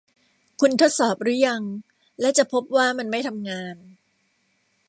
คุณทดสอบรึยัง และจะพบว่ามันไม่ทำงาน